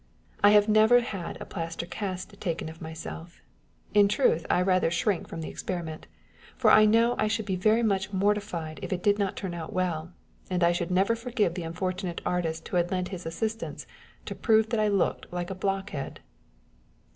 I have never had a plaster cast taken of myself : in truth, I rather shrink from the experiment ; for I know I should be very much mortified if it did not turn out well, and should never forgive the unfortunate artist who had lent his assistance to prove that I looked like a blockhead